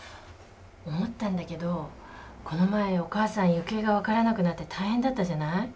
思ったんだけどこの前お母さん行方が分からなくなって大変だったじゃない。